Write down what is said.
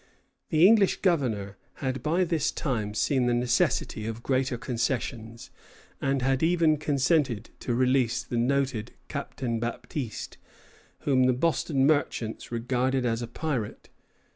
The English governor had by this time seen the necessity of greater concessions, and had even consented to release the noted Captain Baptiste, whom the Boston merchants regarded as a pirate.